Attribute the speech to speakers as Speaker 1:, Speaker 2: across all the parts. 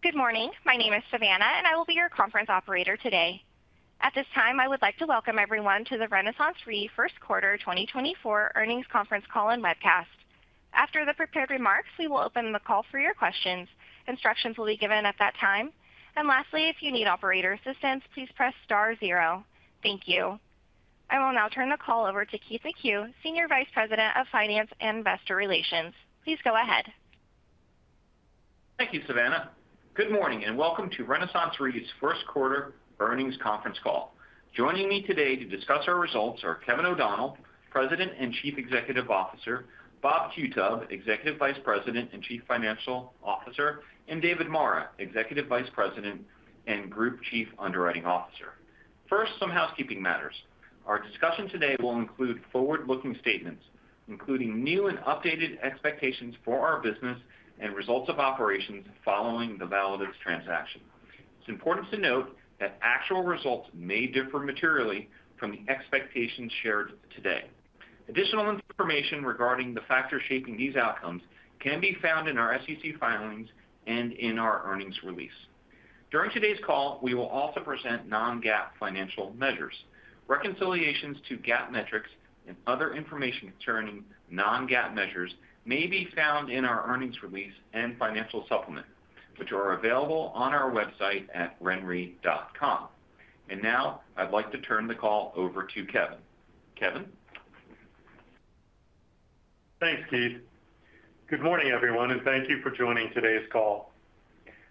Speaker 1: Good morning. My name is Savannah, and I will be your conference operator today. At this time, I would like to welcome everyone to the RenaissanceRe first quarter 2024 earnings conference call and webcast. After the prepared remarks, we will open the call for your questions. Instructions will be given at that time. And lastly, if you need operator assistance, please press star zero. Thank you. I will now turn the call over to Keith McCue, Senior Vice President of Finance and Investor Relations. Please go ahead.
Speaker 2: Thank you, Savannah. Good morning and welcome to RenaissanceRe's first quarter earnings conference call. Joining me today to discuss our results are Kevin O'Donnell, President and Chief Executive Officer, Bob Qutub, Executive Vice President and Chief Financial Officer, and David Marra, Executive Vice President and Group Chief Underwriting Officer. First, some housekeeping matters. Our discussion today will include forward-looking statements, including new and updated expectations for our business and results of operations following the Validus transaction. It's important to note that actual results may differ materially from the expectations shared today. Additional information regarding the factors shaping these outcomes can be found in our SEC filings and in our earnings release. During today's call, we will also present non-GAAP financial measures. Reconciliations to GAAP metrics and other information concerning non-GAAP measures may be found in our earnings release and financial supplement, which are available on our website at renre.com. Now I'd like to turn the call over to Kevin. Kevin?
Speaker 3: Thanks, Keith. Good morning, everyone, and thank you for joining today's call.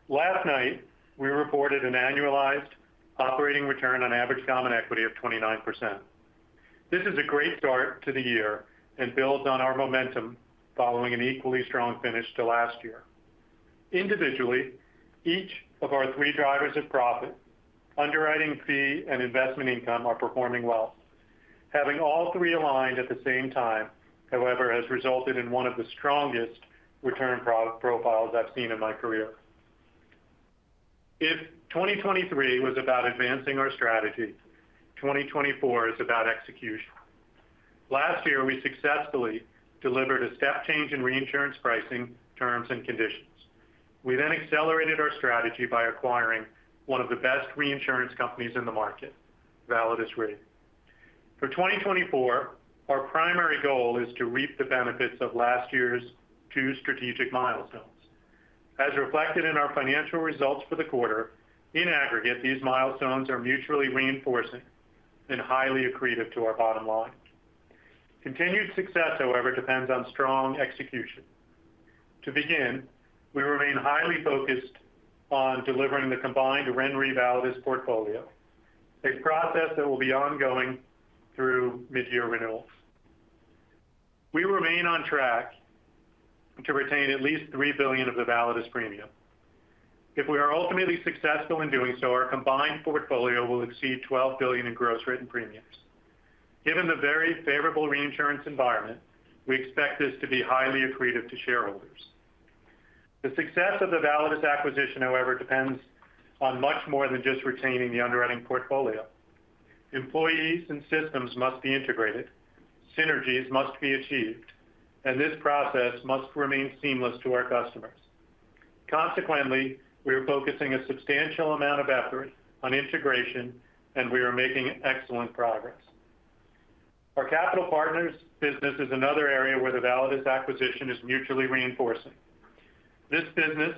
Speaker 3: Last night, we reported an annualized operating return on average common equity of 29%. This is a great start to the year and builds on our momentum following an equally strong finish to last year. Individually, each of our three drivers of profit, underwriting fee, and investment income are performing well. Having all three aligned at the same time, however, has resulted in one of the strongest return profiles I've seen in my career. If 2023 was about advancing our strategy, 2024 is about execution. Last year, we successfully delivered a step change in reinsurance pricing, terms, and conditions. We then accelerated our strategy by acquiring one of the best reinsurance companies in the market, Validus Re. For 2024, our primary goal is to reap the benefits of last year's two strategic milestones. As reflected in our financial results for the quarter, in aggregate, these milestones are mutually reinforcing and highly accretive to our bottom line. Continued success, however, depends on strong execution. To begin, we remain highly focused on delivering the combined RenRe Validus portfolio, a process that will be ongoing through mid-year renewals. We remain on track to retain at least $3 billion of the Validus premium. If we are ultimately successful in doing so, our combined portfolio will exceed $12 billion in gross written premiums. Given the very favorable reinsurance environment, we expect this to be highly accretive to shareholders. The success of the Validus acquisition, however, depends on much more than just retaining the underwriting portfolio. Employees and systems must be integrated, synergies must be achieved, and this process must remain seamless to our customers. Consequently, we are focusing a substantial amount of effort on integration, and we are making excellent progress. Our Capital Partners' business is another area where the Validus acquisition is mutually reinforcing. This business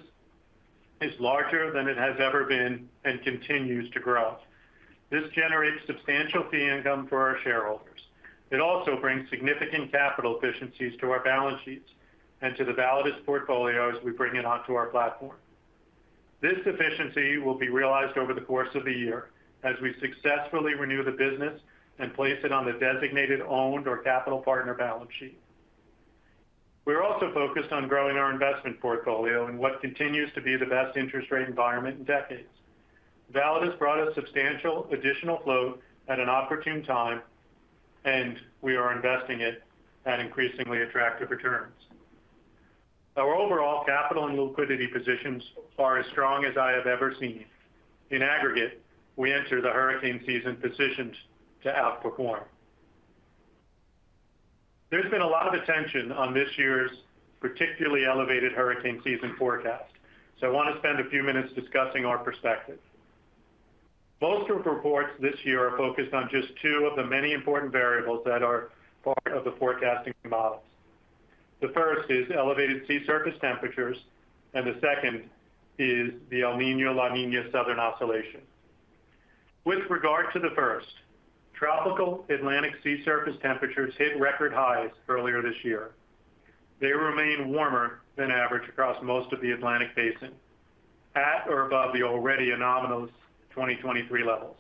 Speaker 3: is larger than it has ever been and continues to grow. This generates substantial fee income for our shareholders. It also brings significant capital efficiencies to our balance sheets and to the Validus portfolio as we bring it onto our platform. This efficiency will be realized over the course of the year as we successfully renew the business and place it on the designated owned or Capital Partner balance sheet. We're also focused on growing our investment portfolio in what continues to be the best interest rate environment in decades. Validus brought us substantial additional float at an opportune time, and we are investing it at increasingly attractive returns. Our overall capital and liquidity positions are as strong as I have ever seen. In aggregate, we enter the hurricane season positioned to outperform. There's been a lot of attention on this year's particularly elevated hurricane season forecast, so I want to spend a few minutes discussing our perspective. Most of the reports this year are focused on just two of the many important variables that are part of the forecasting models. The first is elevated sea surface temperatures, and the second is the El Niño/La Niña Southern Oscillation. With regard to the first, tropical Atlantic sea surface temperatures hit record highs earlier this year. They remain warmer than average across most of the Atlantic Basin, at or above the already anomalous 2023 levels.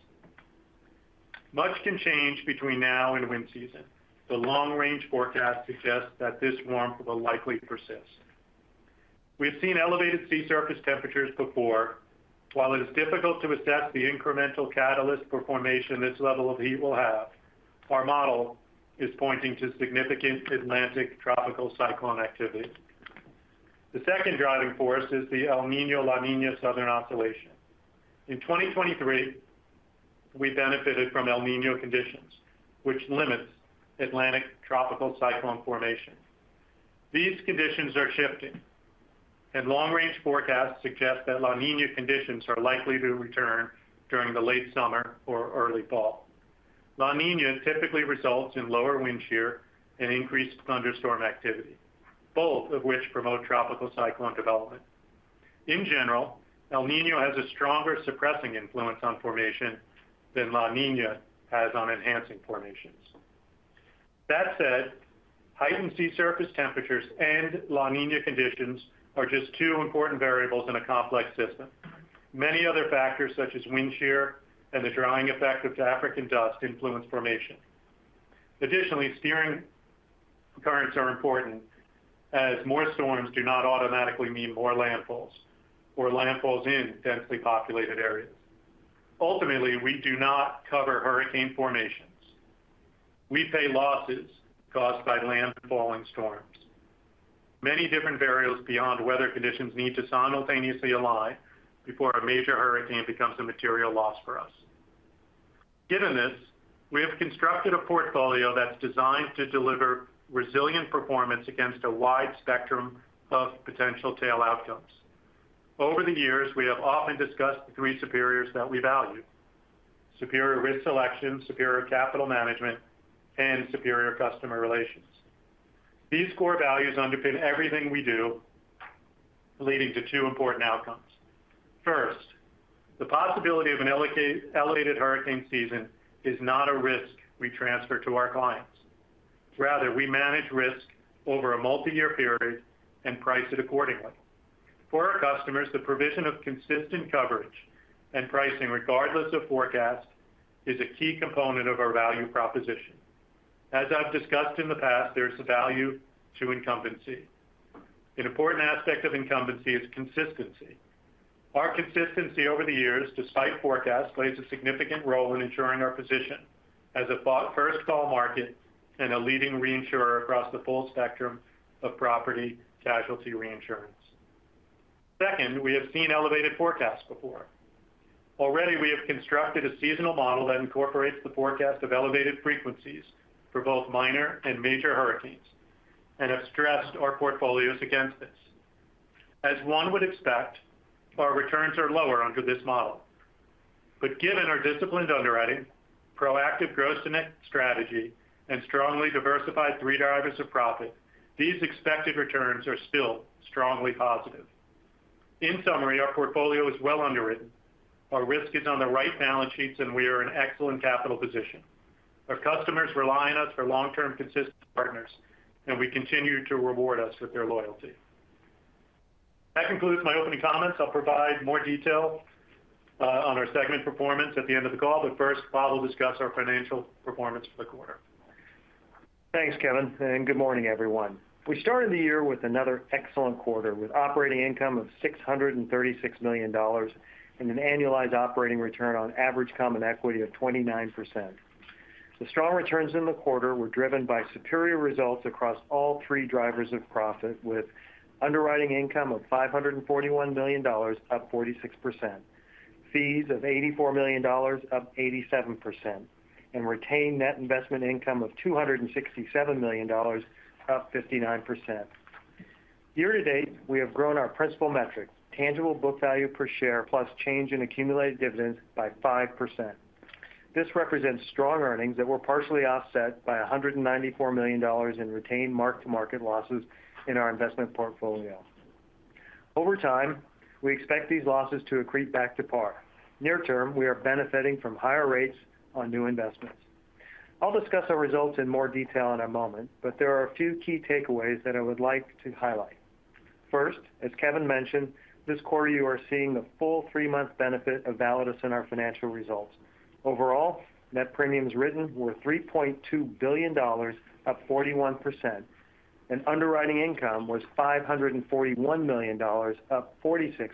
Speaker 3: Much can change between now and wind season. The long-range forecast suggests that this warmth will likely persist. We've seen elevated sea surface temperatures before. While it is difficult to assess the incremental catalyst for formation this level of heat will have, our model is pointing to significant Atlantic tropical cyclone activity. The second driving force is the El Niño/La Niña Southern Oscillation. In 2023, we benefited from El Niño conditions, which limits Atlantic tropical cyclone formation. These conditions are shifting, and long-range forecasts suggest that La Niña conditions are likely to return during the late summer or early fall. La Niña typically results in lower wind shear and increased thunderstorm activity, both of which promote tropical cyclone development. In general, El Niño has a stronger suppressing influence on formation than La Niña has on enhancing formations. That said, heightened sea surface temperatures and La Niña conditions are just two important variables in a complex system. Many other factors, such as wind shear and the drying effect of African dust, influence formation. Additionally, steering currents are important, as more storms do not automatically mean more landfalls or landfalls in densely populated areas. Ultimately, we do not cover hurricane formations. We pay losses caused by landfalling storms. Many different variables beyond weather conditions need to simultaneously align before a major hurricane becomes a material loss for us. Given this, we have constructed a portfolio that's designed to deliver resilient performance against a wide spectrum of potential tail outcomes. Over the years, we have often discussed the Three Superiors that we value: Superior Risk Selection, Superior Capital Management, and Superior Customer Relationships. These core values underpin everything we do, leading to two important outcomes. First, the possibility of an elevated hurricane season is not a risk we transfer to our clients. Rather, we manage risk over a multi-year period and price it accordingly. For our customers, the provision of consistent coverage and pricing, regardless of forecast, is a key component of our value proposition. As I've discussed in the past, there's a value to incumbency. An important aspect of incumbency is consistency. Our consistency over the years, despite forecasts, plays a significant role in ensuring our position as a first call market and a leading reinsurer across the full spectrum of property casualty reinsurance. Second, we have seen elevated forecasts before. Already, we have constructed a seasonal model that incorporates the forecast of elevated frequencies for both minor and major hurricanes and have stressed our portfolios against this. As one would expect, our returns are lower under this model. But given our disciplined underwriting, proactive gross-to-net strategy, and strongly diversified three drivers of profit, these expected returns are still strongly positive. In summary, our portfolio is well underwritten. Our risks are on the right balance sheets, and we are in an excellent capital position. Our customers rely on us for long-term, consistent partners, and they continue to reward us with their loyalty. That concludes my opening comments. I'll provide more detail on our segment performance at the end of the call, but first, Bob will discuss our financial performance for the quarter.
Speaker 4: Thanks, Kevin, and good morning, everyone. We started the year with another excellent quarter, with operating income of $636 million and an annualized operating return on average common equity of 29%. The strong returns in the quarter were driven by superior results across all three drivers of profit, with underwriting income of $541 million, up 46%, fees of $84 million, up 87%, and retained net investment income of $267 million, up 59%. Year to date, we have grown our principal metric, tangible book value per share plus change in accumulated dividends, by 5%. This represents strong earnings that were partially offset by $194 million in retained mark-to-market losses in our investment portfolio. Over time, we expect these losses to accrete back to par. Near term, we are benefiting from higher rates on new investments. I'll discuss our results in more detail in a moment, but there are a few key takeaways that I would like to highlight. First, as Kevin mentioned, this quarter you are seeing the full three-month benefit of Validus in our financial results. Overall, net premiums written were $3.2 billion, up 41%, and underwriting income was $541 million, up 46%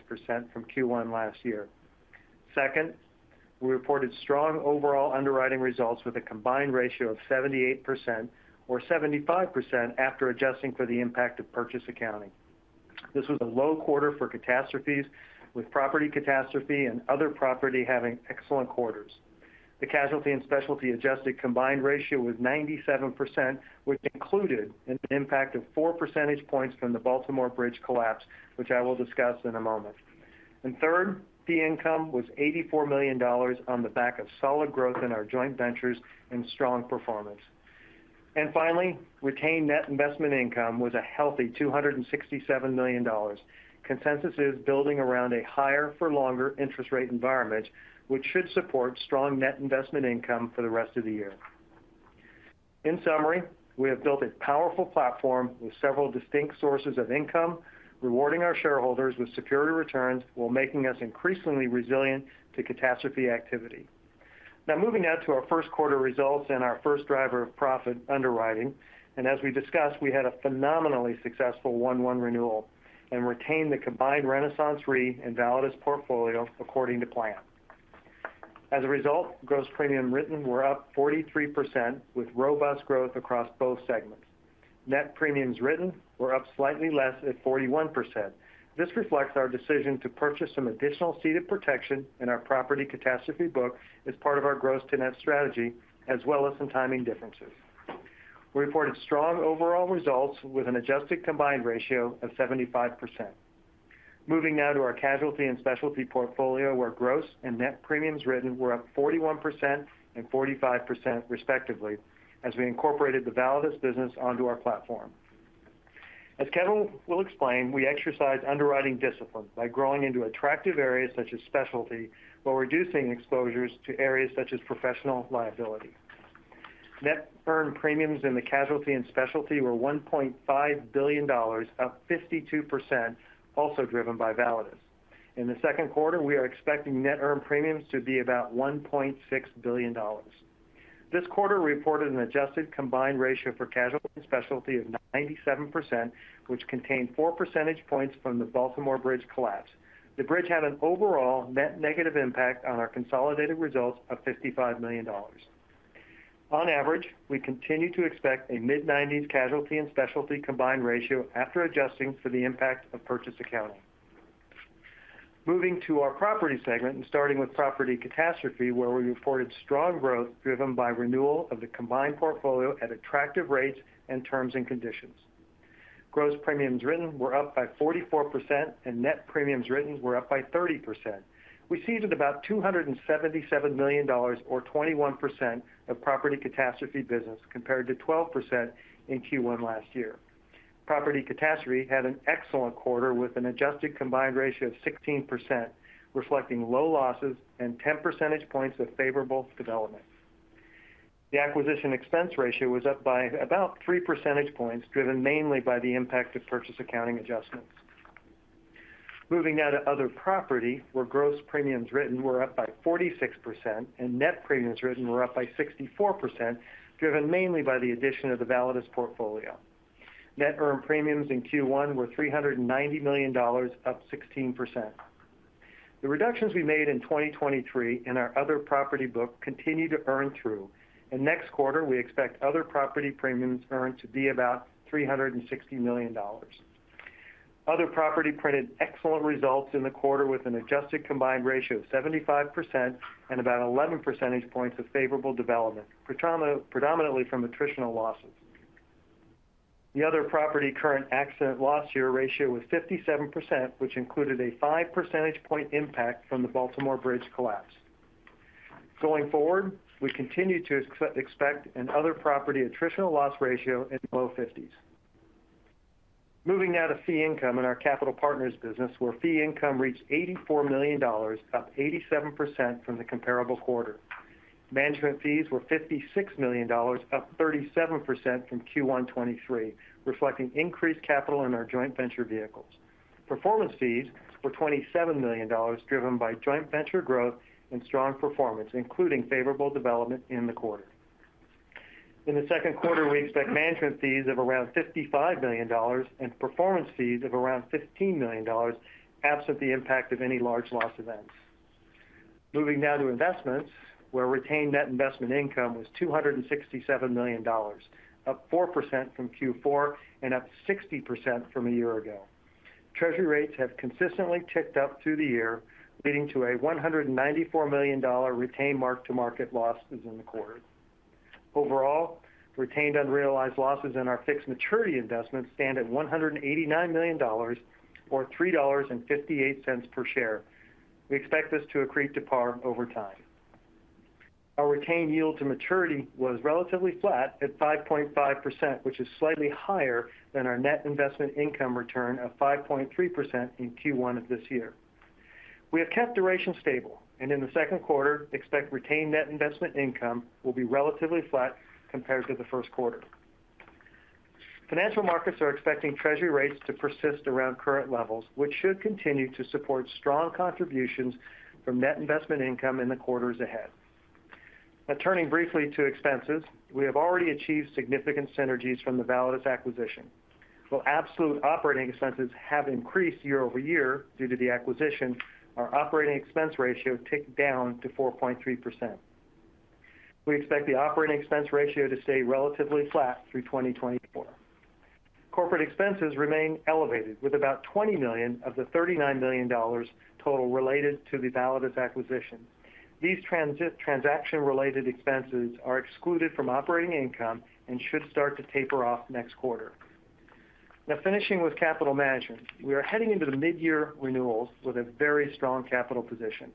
Speaker 4: from Q1 last year. Second, we reported strong overall underwriting results with a combined ratio of 78% or 75% after adjusting for the impact of purchase accounting. This was a low quarter for catastrophes, with property catastrophe and other property having excellent quarters. The casualty and specialty adjusted combined ratio was 97%, which included an impact of 4 percentage points from the Baltimore Bridge collapse, which I will discuss in a moment. And third, fee income was $84 million on the back of solid growth in our joint ventures and strong performance. And finally, retained net investment income was a healthy $267 million. Consensus is building around a higher-for-longer interest rate environment, which should support strong net investment income for the rest of the year. In summary, we have built a powerful platform with several distinct sources of income, rewarding our shareholders with superior returns while making us increasingly resilient to catastrophe activity. Now, moving now to our first quarter results and our first driver of profit underwriting. And as we discussed, we had a phenomenally successful 1-1 renewal and retained the combined RenaissanceRe and Validus portfolio according to plan. As a result, gross premiums written were up 43%, with robust growth across both segments. Net premiums written were up slightly less at 41%. This reflects our decision to purchase some additional seed of protection in our property catastrophe book as part of our gross-to-net strategy, as well as some timing differences. We reported strong overall results with an adjusted combined ratio of 75%. Moving now to our casualty and specialty portfolio, where gross and net premiums written were up 41% and 45%, respectively, as we incorporated the Validus business onto our platform. As Kevin will explain, we exercised underwriting discipline by growing into attractive areas such as specialty while reducing exposures to areas such as professional liability. Net earned premiums in the casualty and specialty were $1.5 billion, up 52%, also driven by Validus. In the second quarter, we are expecting net earned premiums to be about $1.6 billion. This quarter reported an adjusted combined ratio for casualty and specialty of 97%, which contained 4 percentage points from the Baltimore Bridge collapse. The bridge had an overall net negative impact on our consolidated results of $55 million. On average, we continue to expect a mid-90s casualty and specialty combined ratio after adjusting for the impact of purchase accounting. Moving to our property segment and starting with property catastrophe, where we reported strong growth driven by renewal of the combined portfolio at attractive rates and terms and conditions. Gross premiums written were up by 44%, and net premiums written were up by 30%. We ceded about $277 million or 21% of property catastrophe business compared to 12% in Q1 last year. Property catastrophe had an excellent quarter with an adjusted combined ratio of 16%, reflecting low losses and 10 percentage points of favorable development. The acquisition expense ratio was up by about 3 percentage points, driven mainly by the impact of purchase accounting adjustments. Moving now to other property, where gross premiums written were up by 46%, and net premiums written were up by 64%, driven mainly by the addition of the Validus portfolio. Net earned premiums in Q1 were $390 million, up 16%. The reductions we made in 2023 in our other property book continue to earn through. And next quarter, we expect other property premiums earned to be about $360 million. Other property printed excellent results in the quarter with an adjusted combined ratio of 75% and about 11 percentage points of favorable development, predominantly from attritional losses. The other property current accident loss year ratio was 57%, which included a 5 percentage point impact from the Baltimore Bridge collapse. Going forward, we continue to expect an other property attritional loss ratio in the low 50s. Moving now to fee income in our Capital Partners business, where fee income reached $84 million, up 87% from the comparable quarter. Management fees were $56 million, up 37% from Q1 2023, reflecting increased capital in our joint venture vehicles. Performance fees were $27 million, driven by joint venture growth and strong performance, including favorable development in the quarter. In the second quarter, we expect management fees of around $55 million and performance fees of around $15 million, absent the impact of any large loss events. Moving now to investments, where retained net investment income was $267 million, up 4% from Q4 and up 60% from a year ago. Treasury rates have consistently ticked up through the year, leading to a $194 million retained mark-to-market losses in the quarter. Overall, retained unrealized losses in our fixed maturity investments stand at $189 million or $3.58 per share. We expect this to accrete to par over time. Our retained yield to maturity was relatively flat at 5.5%, which is slightly higher than our net investment income return of 5.3% in Q1 of this year. We have kept duration stable, and in the second quarter, expect retained net investment income will be relatively flat compared to the first quarter. Financial markets are expecting Treasury rates to persist around current levels, which should continue to support strong contributions from net investment income in the quarters ahead. Now, turning briefly to expenses, we have already achieved significant synergies from the Validus acquisition. While absolute operating expenses have increased year-over-year due to the acquisition, our operating expense ratio ticked down to 4.3%. We expect the operating expense ratio to stay relatively flat through 2024. Corporate expenses remain elevated, with about $20 million of the $39 million total related to the Validus acquisition. These transaction-related expenses are excluded from operating income and should start to taper off next quarter. Now, finishing with capital management, we are heading into the mid-year renewals with a very strong capital position.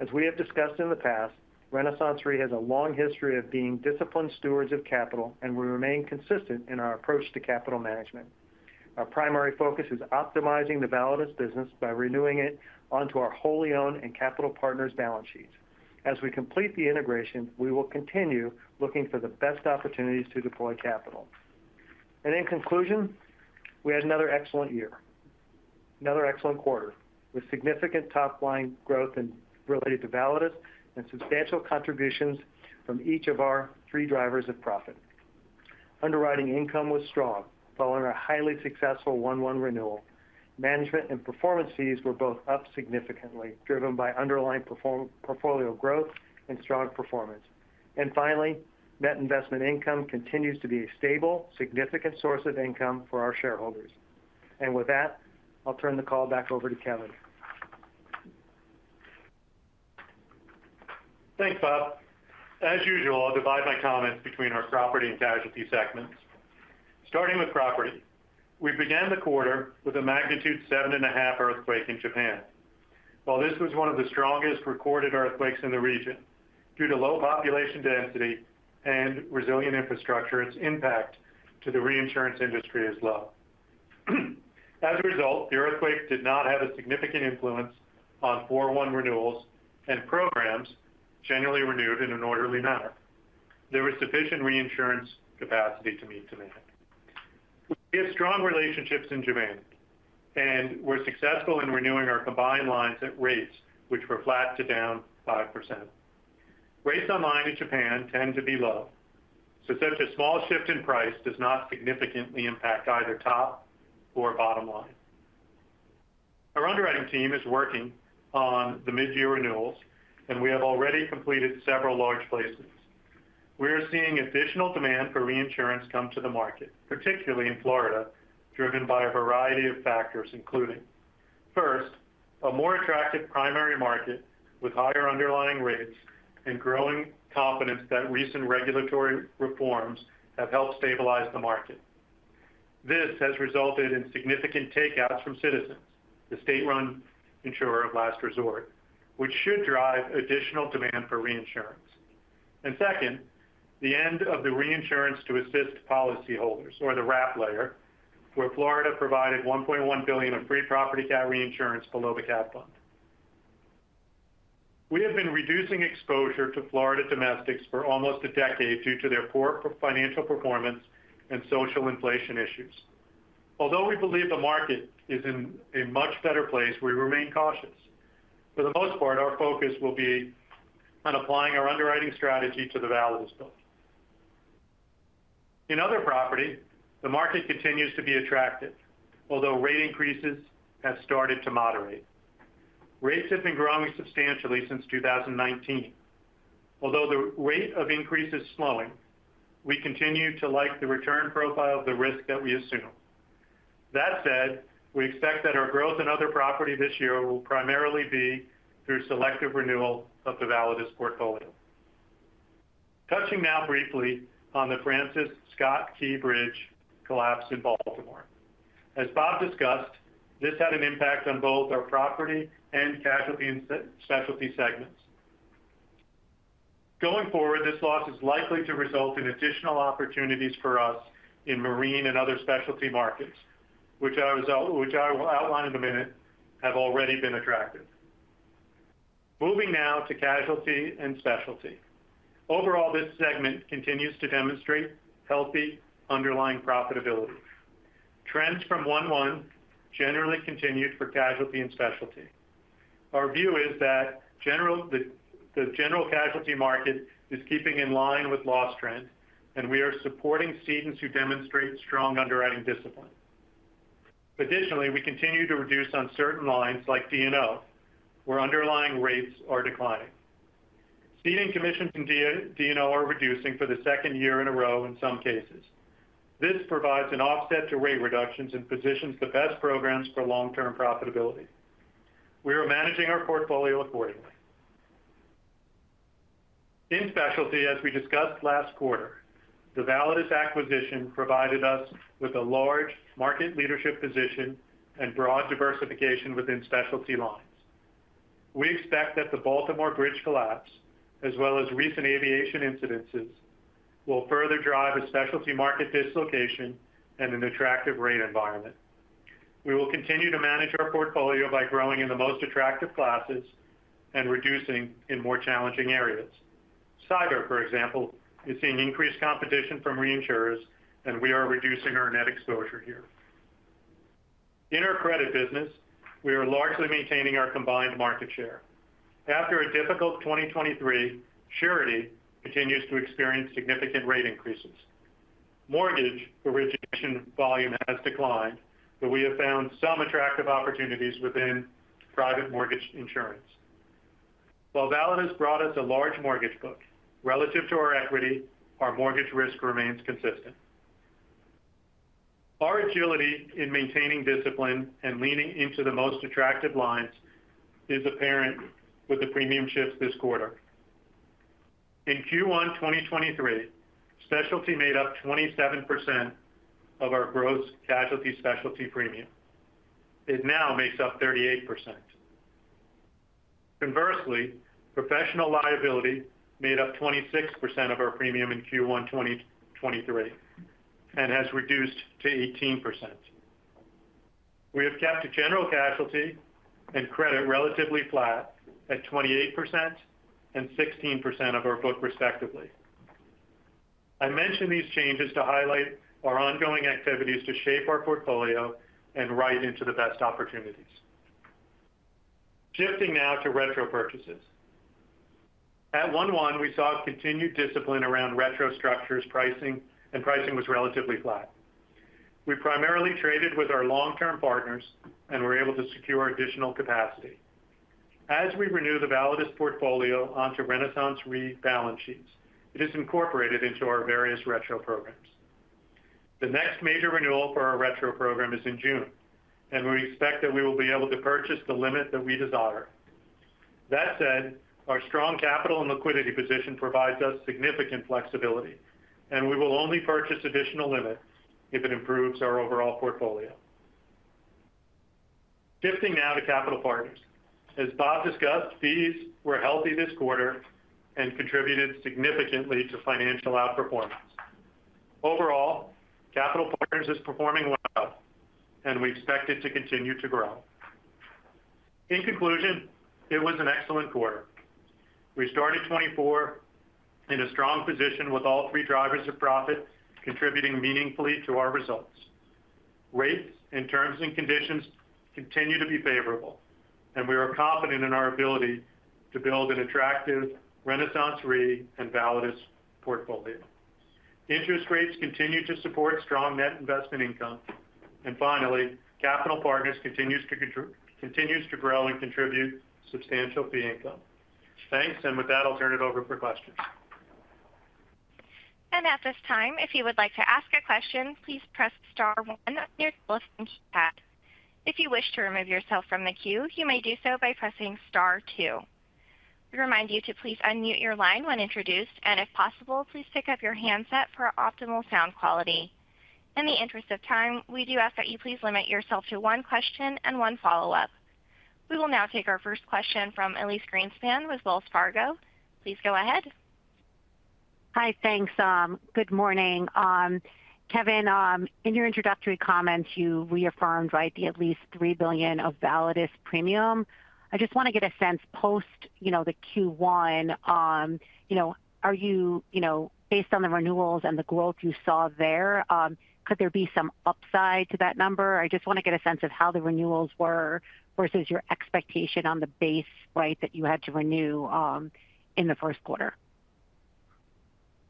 Speaker 4: As we have discussed in the past, RenaissanceRe has a long history of being disciplined stewards of capital, and we remain consistent in our approach to capital management. Our primary focus is optimizing the Validus business by renewing it onto our wholly owned and Capital Partners' balance sheets. As we complete the integration, we will continue looking for the best opportunities to deploy capital. In conclusion, we had another excellent year, another excellent quarter, with significant top-line growth related to Validus and substantial contributions from each of our three drivers of profit. Underwriting income was strong following our highly successful 1-1 renewal. Management and performance fees were both up significantly, driven by underlying portfolio growth and strong performance. And finally, net investment income continues to be a stable, significant source of income for our shareholders. And with that, I'll turn the call back over to Kevin.
Speaker 3: Thanks, Bob. As usual, I'll divide my comments between our property and casualty segments. Starting with property, we began the quarter with a magnitude 7.5 earthquake in Japan. While this was one of the strongest recorded earthquakes in the region, due to low population density and resilient infrastructure, its impact to the reinsurance industry is low. As a result, the earthquake did not have a significant influence on 4/1 renewals and programs generally renewed in an orderly manner. There was sufficient reinsurance capacity to meet demand. We have strong relationships in Japan and were successful in renewing our combined lines at rates, which were flat to -5%. Rates online in Japan tend to be low, so such a small shift in price does not significantly impact either top or bottom line. Our underwriting team is working on the mid-year renewals, and we have already completed several large placements. We are seeing additional demand for reinsurance come to the market, particularly in Florida, driven by a variety of factors, including: first, a more attractive primary market with higher underlying rates and growing confidence that recent regulatory reforms have helped stabilize the market. This has resulted in significant takeouts from Citizens, the state-run insurer of last resort, which should drive additional demand for reinsurance. Second, the end of the Reinsurance to Assist Policyholders, or the wrap layer, where Florida provided $1.1 billion of free property cat reinsurance below the Cat Fund. We have been reducing exposure to Florida domestics for almost a decade due to their poor financial performance and social inflation issues. Although we believe the market is in a much better place, we remain cautious. For the most part, our focus will be on applying our underwriting strategy to the Validus book. In other property, the market continues to be attractive, although rate increases have started to moderate. Rates have been growing substantially since 2019. Although the rate of increase is slowing, we continue to like the return profile of the risk that we assume. That said, we expect that our growth in other property this year will primarily be through selective renewal of the Validus portfolio. Touching now briefly on the Francis Scott Key Bridge collapse in Baltimore. As Bob discussed, this had an impact on both our property and casualty and specialty segments. Going forward, this loss is likely to result in additional opportunities for us in marine and other specialty markets, which I will outline in a minute, have already been attractive. Moving now to casualty and specialty. Overall, this segment continues to demonstrate healthy underlying profitability. Trends from 1/1 generally continued for casualty and specialty. Our view is that the general casualty market is keeping in line with loss trend, and we are supporting cedants who demonstrate strong underwriting discipline. Additionally, we continue to reduce on certain lines like D&O, where underlying rates are declining. Ceding commissions and D&O are reducing for the second year in a row in some cases. This provides an offset to rate reductions and positions the best programs for long-term profitability. We are managing our portfolio accordingly. In specialty, as we discussed last quarter, the Validus acquisition provided us with a large market leadership position and broad diversification within specialty lines. We expect that the Baltimore Bridge collapse, as well as recent aviation incidents, will further drive a specialty market dislocation and an attractive rate environment. We will continue to manage our portfolio by growing in the most attractive classes and reducing in more challenging areas. CIDR, for example, is seeing increased competition from reinsurers, and we are reducing our net exposure here. In our credit business, we are largely maintaining our combined market share. After a difficult 2023, surety continues to experience significant rate increases. Mortgage origination volume has declined, but we have found some attractive opportunities within private mortgage insurance. While Validus brought us a large mortgage book, relative to our equity, our mortgage risk remains consistent. Our agility in maintaining discipline and leaning into the most attractive lines is apparent with the premium shifts this quarter. In Q1 2023, specialty made up 27% of our gross casualty specialty premium. It now makes up 38%. Conversely, professional liability made up 26% of our premium in Q1 2023 and has reduced to 18%. We have kept the general casualty and credit relatively flat at 28% and 16% of our book, respectively. I mention these changes to highlight our ongoing activities to shape our portfolio and write into the best opportunities. Shifting now to retro purchases. At 1/1, we saw continued discipline around retro structures, pricing, and pricing was relatively flat. We primarily traded with our long-term partners and were able to secure additional capacity. As we renew the Validus portfolio onto RenaissanceRe balance sheets, it is incorporated into our various retro programs. The next major renewal for our retro program is in June, and we expect that we will be able to purchase the limit that we desire. That said, our strong capital and liquidity position provides us significant flexibility, and we will only purchase additional limits if it improves our overall portfolio. Shifting now to Capital Partners. As Bob discussed, fees were healthy this quarter and contributed significantly to financial outperformance. Overall, Capital Partners are performing well, and we expect it to continue to grow. In conclusion, it was an excellent quarter. We started 2024 in a strong position with all three drivers of profit contributing meaningfully to our results. Rates and terms and conditions continue to be favorable, and we are confident in our ability to build an attractive RenaissanceRe and Validus portfolio. Interest rates continue to support strong net investment income. And finally, Capital Partners continues to grow and contribute substantial fee income. Thanks, and with that, I'll turn it over for questions.
Speaker 1: At this time, if you would like to ask a question, please press star one on your telephone keypad. If you wish to remove yourself from the queue, you may do so by pressing star two. We remind you to please unmute your line when introduced, and if possible, please pick up your handset for optimal sound quality. In the interest of time, we do ask that you please limit yourself to one question and one follow-up. We will now take our first question from Elyse Greenspan with Wells Fargo. Please go ahead.
Speaker 5: Hi, thanks. Good morning. Kevin, in your introductory comments, you reaffirmed the at least $3 billion of Validus premium. I just want to get a sense post the Q1. Are you based on the renewals and the growth you saw there, could there be some upside to that number? I just want to get a sense of how the renewals were versus your expectation on the base that you had to renew in the first quarter.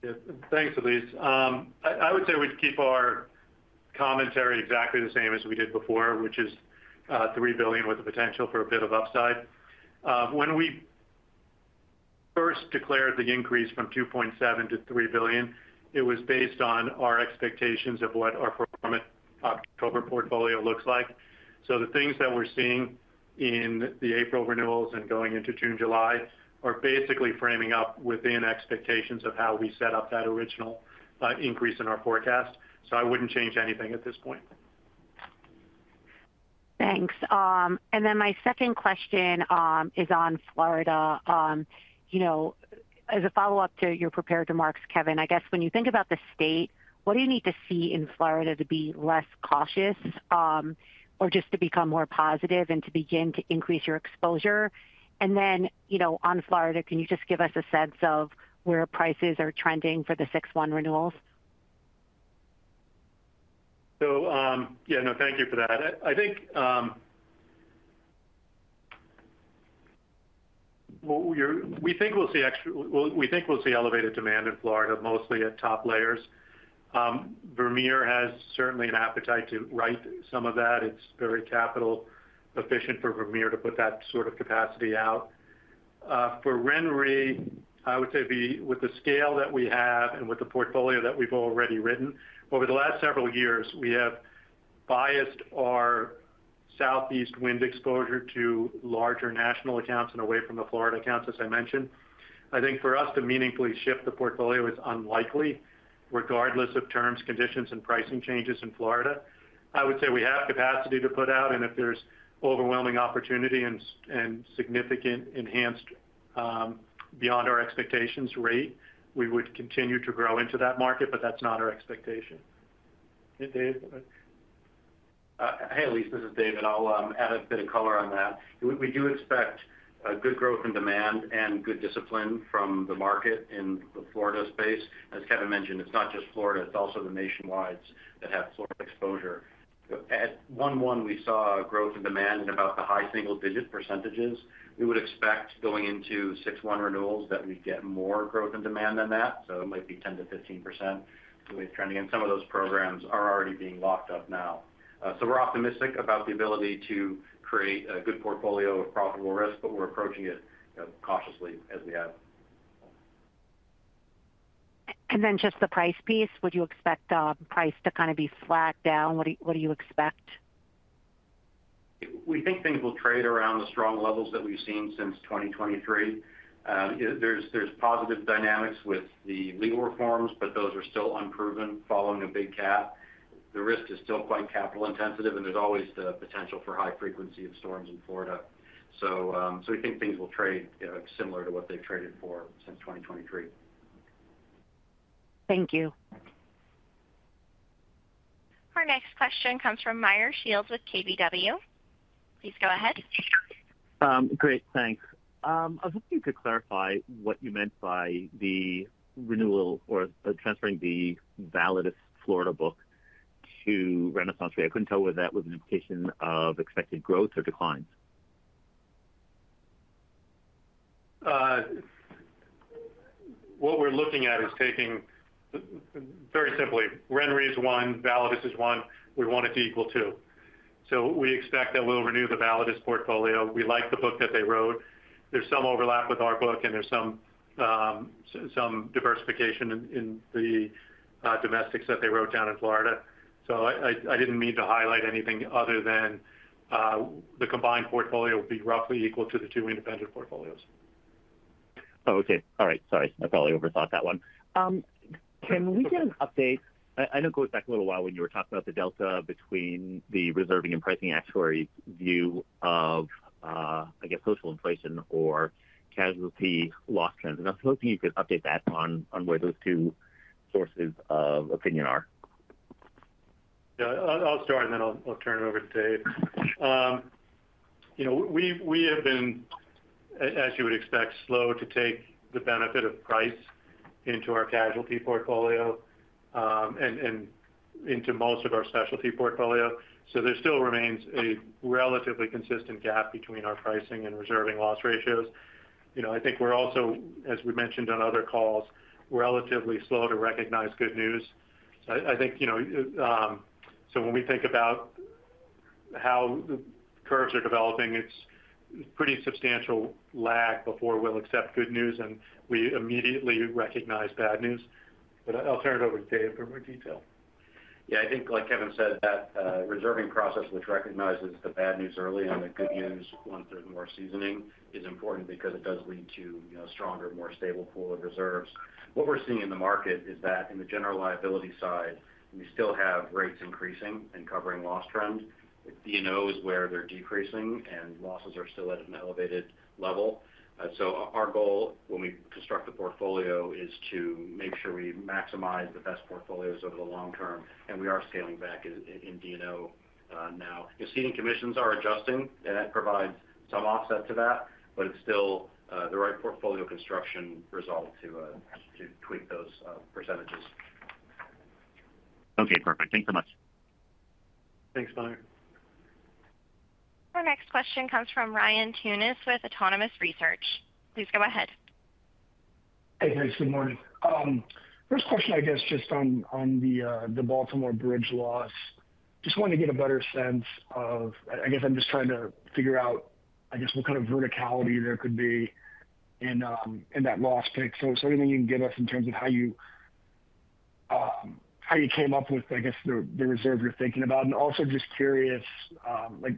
Speaker 3: Yeah, thanks, Elyse. I would say we'd keep our commentary exactly the same as we did before, which is $3 billion with the potential for a bit of upside. When we first declared the increase from $2.7 billion to $3 billion, it was based on our expectations of what our performance October portfolio looks like. So the things that we're seeing in the April renewals and going into June, July are basically framing up within expectations of how we set up that original increase in our forecast. So I wouldn't change anything at this point.
Speaker 5: Thanks. And then my second question is on Florida. As a follow-up to your prepared remarks, Kevin, I guess when you think about the state, what do you need to see in Florida to be less cautious or just to become more positive and to begin to increase your exposure? And then on Florida, can you just give us a sense of where prices are trending for the six-one renewals?
Speaker 3: So yeah, no, thank you for that. I think we think we'll see elevated demand in Florida, mostly at top layers. Vermeer has certainly an appetite to write some of that. It's very capital-efficient for Vermeer to put that sort of capacity out. For RenRe, I would say with the scale that we have and with the portfolio that we've already written, over the last several years, we have biased our Southeast wind exposure to larger national accounts and away from the Florida accounts, as I mentioned. I think for us to meaningfully shift the portfolio is unlikely, regardless of terms, conditions, and pricing changes in Florida. I would say we have capacity to put out, and if there's overwhelming opportunity and significant enhanced beyond our expectations rate, we would continue to grow into that market, but that's not our expectation.
Speaker 6: Hey, Elyse. This is David. I'll add a bit of color on that. We do expect good growth in demand and good discipline from the market in the Florida space. As Kevin mentioned, it's not just Florida. It's also the nationwide that have Florida exposure. At 1/1, we saw growth in demand in about the high single-digit %. We would expect going into 6/1 renewals that we'd get more growth in demand than that. So it might be 10%-15% the way it's trending. And some of those programs are already being locked up now. So we're optimistic about the ability to create a good portfolio of profitable risk, but we're approaching it cautiously as we have.
Speaker 5: And then just the price piece, would you expect price to kind of be flat down? What do you expect?
Speaker 6: We think things will trade around the strong levels that we've seen since 2023. There's positive dynamics with the legal reforms, but those are still unproven following a big cat. The risk is still quite capital-intensive, and there's always the potential for high frequency of storms in Florida. We think things will trade similar to what they've traded for since 2023.
Speaker 5: Thank you.
Speaker 1: Our next question comes from Meyer Shields with KBW. Please go ahead.
Speaker 7: Great, thanks. I was hoping you could clarify what you meant by the renewal or transferring the Validus Florida book to RenaissanceRe. I couldn't tell whether that was an implication of expected growth or declines.
Speaker 3: What we're looking at is taking very simply, RenRe is one, Validus is one. We want it to equal two. So we expect that we'll renew the Validus portfolio. We like the book that they wrote. There's some overlap with our book, and there's some diversification in the domestics that they wrote down in Florida. So I didn't mean to highlight anything other than the combined portfolio would be roughly equal to the two independent portfolios.
Speaker 7: Oh, okay. All right. Sorry. I probably overthought that one. Can we get an update? I know it goes back a little while when you were talking about the delta between the reserving and pricing actuaries' view of, I guess, social inflation or casualty loss trends. And I was hoping you could update that on where those two sources of opinion are?
Speaker 3: Yeah, I'll start, and then I'll turn it over to Dave. We have been, as you would expect, slow to take the benefit of price into our casualty portfolio and into most of our specialty portfolio. So there still remains a relatively consistent gap between our pricing and reserving loss ratios. I think we're also, as we mentioned on other calls, relatively slow to recognize good news. So I think so when we think about how the curves are developing, it's pretty substantial lag before we'll accept good news, and we immediately recognize bad news. But I'll turn it over to Dave for more detail.
Speaker 6: Yeah, I think, like Kevin said, that reserving process, which recognizes the bad news early and the good news once there's more seasoning, is important because it does lead to a stronger, more stable pool of reserves. What we're seeing in the market is that in the general liability side, we still have rates increasing and covering loss trend. D&O is where they're decreasing, and losses are still at an elevated level. So our goal when we construct the portfolio is to make sure we maximize the best portfolios over the long term, and we are scaling back in D&O now. Ceding commissions are adjusting, and that provides some offset to that, but it's still the right portfolio construction result to tweak those percentages.
Speaker 7: Okay, perfect. Thanks so much.
Speaker 3: Thanks, Meyer.
Speaker 1: Our next question comes from Ryan Tunis with Autonomous Research. Please go ahead.
Speaker 8: Hey, guys. Good morning. First question, I guess, just on the Baltimore Bridge loss. Just wanted to get a better sense of—I guess I'm just trying to figure out, I guess, what kind of verticality there could be in that loss pick. So is there anything you can give us in terms of how you came up with, I guess, the reserve you're thinking about? And also just curious,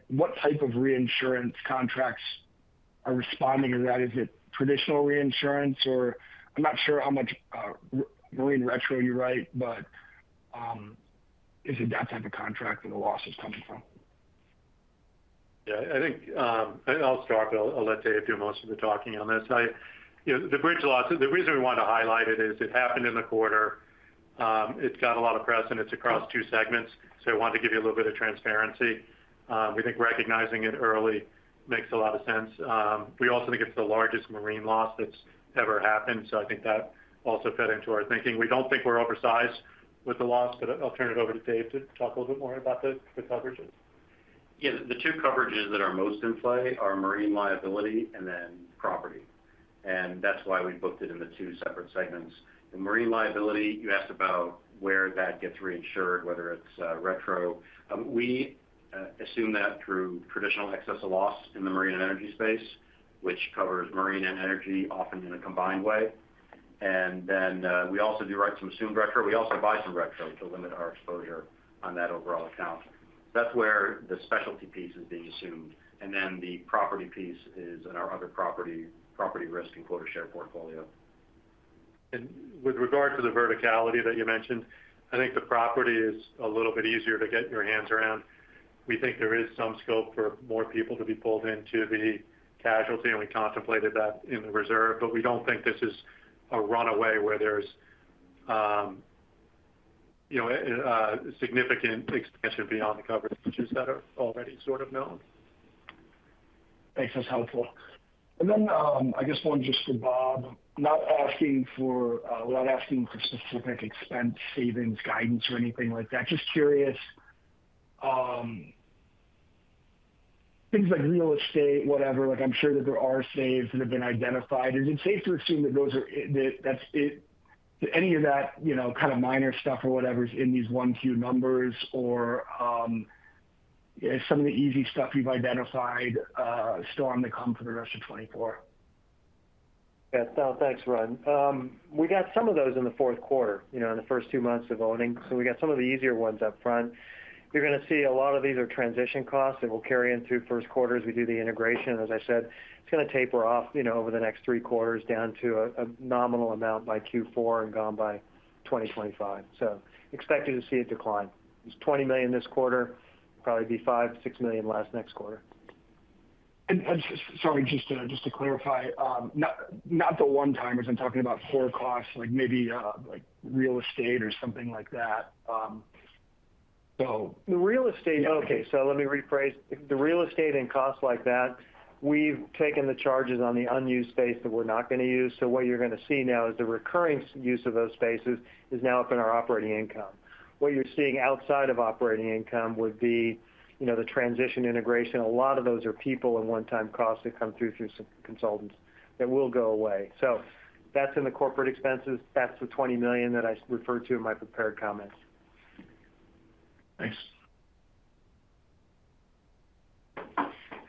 Speaker 8: what type of reinsurance contracts are responding to that? Is it traditional reinsurance, or? I'm not sure how much marine retro you write, but is it that type of contract that the loss is coming from?
Speaker 3: Yeah, I think I'll start, but I'll let Dave do most of the talking on this. The bridge loss, the reason we wanted to highlight it is it happened in the quarter. It's got a lot of press, and it's across two segments. So I wanted to give you a little bit of transparency. We think recognizing it early makes a lot of sense. We also think it's the largest marine loss that's ever happened. So I think that also fed into our thinking. We don't think we're oversized with the loss, but I'll turn it over to Dave to talk a little bit more about the coverages.
Speaker 6: Yeah, the two coverages that are most in play are marine liability and then property. And that's why we booked it in the two separate segments. The marine liability, you asked about where that gets reinsured, whether it's retro. We assume that through traditional excess of loss in the marine and energy space, which covers marine and energy often in a combined way. And then we also do write some assumed retro. We also buy some retro to limit our exposure on that overall account. So that's where the specialty piece is being assumed. And then the property piece is in our other property risk and quota share portfolio.
Speaker 3: With regard to the verticality that you mentioned, I think the property is a little bit easier to get your hands around. We think there is some scope for more people to be pulled into the casualty, and we contemplated that in the reserve. But we don't think this is a runaway where there's significant expansion beyond the coverage issues that are already sort of known.
Speaker 8: Thanks. That's helpful. And then I guess one just for Bob, not asking for specific expense savings guidance or anything like that, just curious, things like real estate, whatever, I'm sure that there are saves that have been identified. Is it safe to assume that those are any of that kind of minor stuff or whatever is in these 1Q numbers, or is some of the easy stuff you've identified still on the come for the rest of 2024?
Speaker 4: Yeah, thanks, Ryan. We got some of those in the fourth quarter, in the first two months of owning. So we got some of the easier ones up front. You're going to see a lot of these are transition costs that will carry into first quarters. We do the integration. And as I said, it's going to taper off over the next three quarters down to a nominal amount by Q4 and gone by 2025. So expect you to see it decline. It's $20 million this quarter. Probably be $5-$6 million less next quarter.
Speaker 8: And sorry, just to clarify, not the one-timers. I'm talking about core costs, maybe real estate or something like that. So.
Speaker 4: The real estate, okay, so let me rephrase. The real estate and costs like that, we've taken the charges on the unused space that we're not going to use. So what you're going to see now is the recurring use of those spaces is now up in our operating income. What you're seeing outside of operating income would be the transition integration. A lot of those are people and one-time costs that come through consultants that will go away. So that's in the corporate expenses. That's the $20 million that I referred to in my prepared comments.
Speaker 8: Thanks.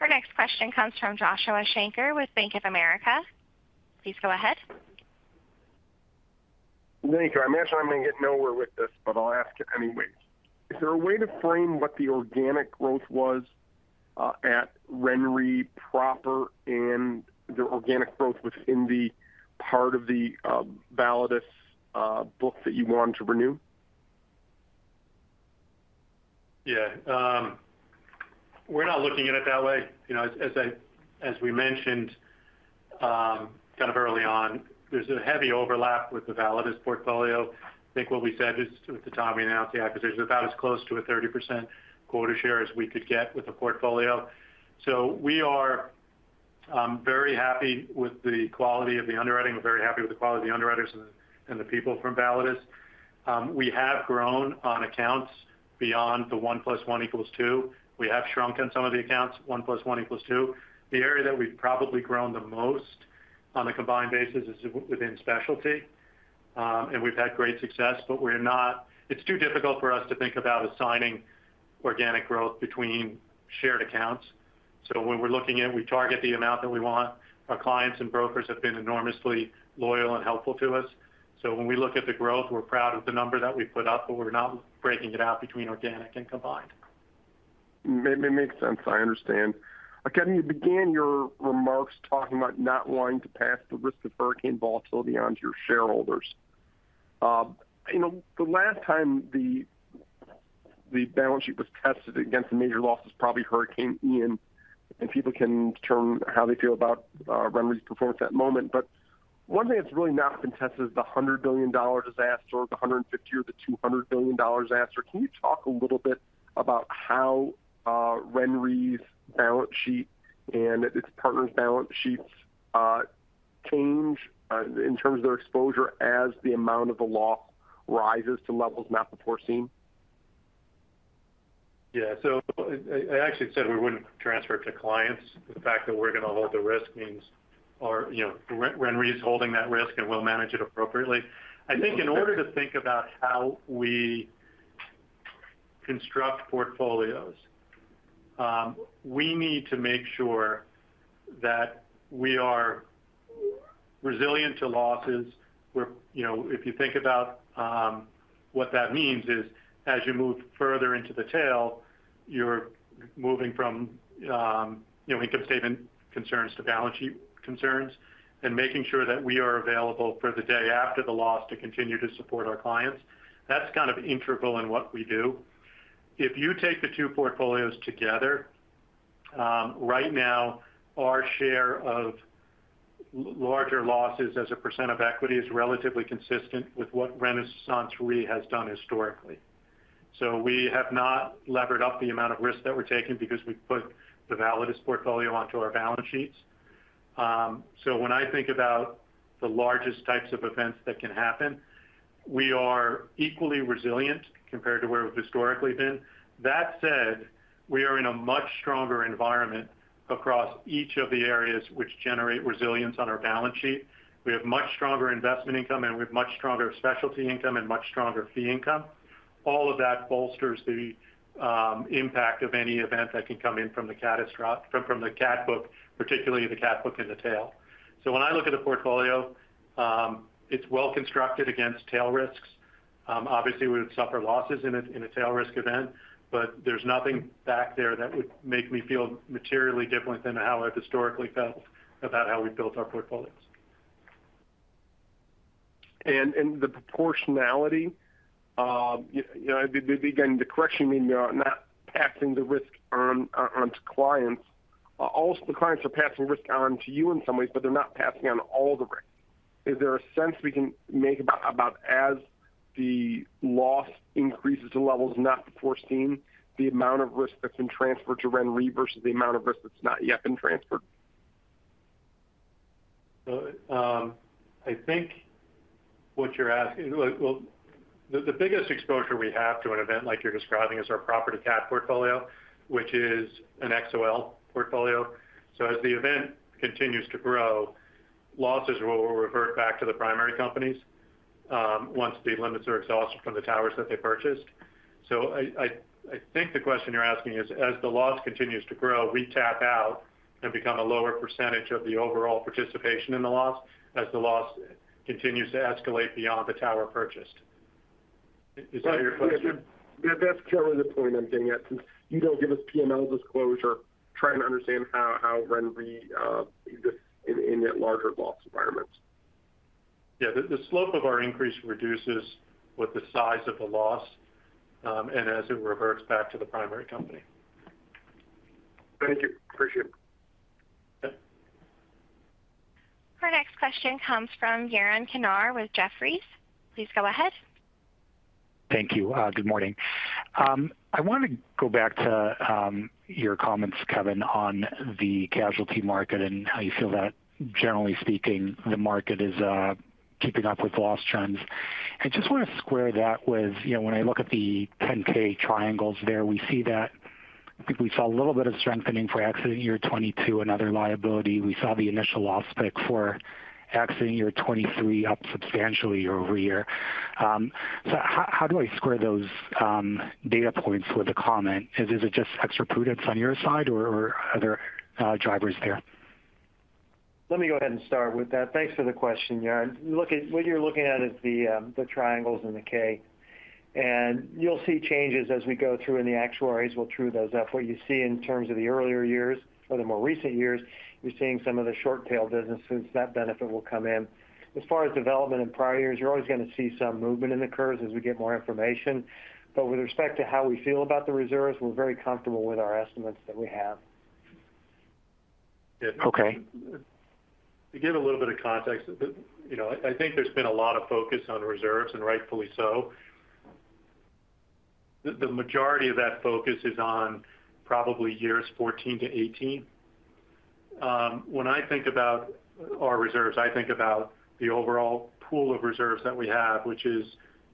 Speaker 1: Our next question comes from Joshua Shanker with Bank of America. Please go ahead.
Speaker 9: Thank you. I imagine I'm going to get nowhere with this, but I'll ask I mean, wait. Is there a way to frame what the organic growth was at RenRe proper and the organic growth within the part of the Validus book that you wanted to renew?
Speaker 3: Yeah. We're not looking at it that way. As we mentioned kind of early on, there's a heavy overlap with the Validus portfolio. I think what we said at the time we announced the acquisition is about as close to a 30% quota share as we could get with a portfolio. So we are very happy with the quality of the underwriting. We're very happy with the quality of the underwriters and the people from Validus. We have grown on accounts beyond the 1 plus 1 equals 2. We have shrunk on some of the accounts, 1 plus 1 equals 2. The area that we've probably grown the most on a combined basis is within specialty. And we've had great success, but it's too difficult for us to think about assigning organic growth between shared accounts. So when we're looking at we target the amount that we want. Our clients and brokers have been enormously loyal and helpful to us. So when we look at the growth, we're proud of the number that we put up, but we're not breaking it out between organic and combined.
Speaker 9: It makes sense. I understand. Kevin, you began your remarks talking about not wanting to pass the risk of hurricane volatility onto your shareholders. The last time the balance sheet was tested against the major loss is probably Hurricane Ian. And people can determine how they feel about RenRe's performance at that moment. But one thing that's really not been tested is the $100 billion disaster or the $150 or the $200 billion disaster. Can you talk a little bit about how RenRe's balance sheet and its partners' balance sheets change in terms of their exposure as the amount of the loss rises to levels not before seen?
Speaker 3: Yeah. So I actually said we wouldn't transfer it to clients. The fact that we're going to hold the risk means RenRe's holding that risk, and we'll manage it appropriately. I think in order to think about how we construct portfolios, we need to make sure that we are resilient to losses. If you think about what that means is as you move further into the tail, you're moving from income statement concerns to balance sheet concerns and making sure that we are available for the day after the loss to continue to support our clients. That's kind of integral in what we do. If you take the two portfolios together, right now, our share of larger losses as a % of equity is relatively consistent with what RenaissanceRe has done historically. So we have not levered up the amount of risk that we're taking because we put the Validus portfolio onto our balance sheets. So when I think about the largest types of events that can happen, we are equally resilient compared to where we've historically been. That said, we are in a much stronger environment across each of the areas which generate resilience on our balance sheet. We have much stronger investment income, and we have much stronger specialty income and much stronger fee income. All of that bolsters the impact of any event that can come in from the catastrophe, particularly the cat book and the tail. So when I look at the portfolio, it's well constructed against tail risks. Obviously, we would suffer losses in a tail risk event, but there's nothing back there that would make me feel materially different than how I've historically felt about how we've built our portfolios.
Speaker 9: And the proportionality again, the correction you made me about not passing the risk onto clients. Also, the clients are passing risk onto you in some ways, but they're not passing on all the risk. Is there a sense we can make about as the loss increases to levels not before seen, the amount of risk that's been transferred to RenRe versus the amount of risk that's not yet been transferred?
Speaker 3: So I think what you're asking, well, the biggest exposure we have to an event like you're describing is our property cat portfolio, which is an XOL portfolio. So as the event continues to grow, losses will revert back to the primary companies once the limits are exhausted from the towers that they purchased. So I think the question you're asking is, as the loss continues to grow, we tap out and become a lower percentage of the overall participation in the loss as the loss continues to escalate beyond the tower purchased. Is that your question?
Speaker 9: That's currently the point I'm getting at. You don't give us PML disclosure. Trying to understand how RenRe exists in larger loss environments.
Speaker 3: Yeah, the slope of our increase reduces with the size of the loss and as it reverts back to the primary company.
Speaker 9: Thank you. Appreciate it.
Speaker 1: Our next question comes from Yaron Kinar with Jefferies. Please go ahead.
Speaker 10: Thank you. Good morning. I wanted to go back to your comments, Kevin, on the casualty market and how you feel that, generally speaking, the market is keeping up with loss trends. I just want to square that with when I look at the 10-K triangles there, we see that I think we saw a little bit of strengthening for accident year 2022 and other liability. We saw the initial loss pick for accident year 2023 up substantially year-over-year. How do I square those data points with the comment? Is it just extra prudence on your side, or are there drivers there?
Speaker 4: Let me go ahead and start with that. Thanks for the question, Yaron. What you're looking at is the triangles and the K. And you'll see changes as we go through, and the actuaries will true those up. What you see in terms of the earlier years or the more recent years, you're seeing some of the short-tail businesses. That benefit will come in. As far as development in prior years, you're always going to see some movement in the curves as we get more information. But with respect to how we feel about the reserves, we're very comfortable with our estimates that we have.
Speaker 3: Okay. To give a little bit of context, I think there's been a lot of focus on reserves, and rightfully so. The majority of that focus is on probably years 2014 to 2018. When I think about our reserves, I think about the overall pool of reserves that we have, which is